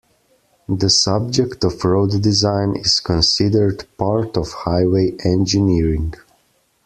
The subject of road design is considered part of highway engineering.